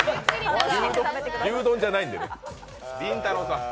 牛丼じゃないんでね。